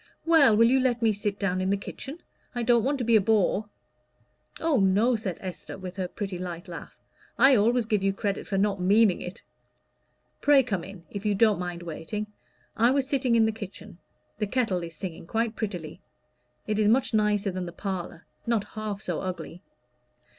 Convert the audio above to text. "Well, will you let me sit down in the kitchen? I don't want to be a bore." "Oh, no," said Esther, with her pretty light laugh, "I always give you credit for not meaning it. Pray come in, if you don't mind waiting. I was sitting in the kitchen: the kettle is singing quite prettily. It is much nicer than the parlor not half so ugly."